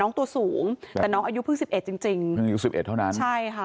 ตัวสูงแต่น้องอายุเพิ่งสิบเอ็ดจริงจริงเพิ่งอายุสิบเอ็ดเท่านั้นใช่ค่ะ